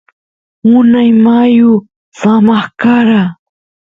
unay mayu samaq kara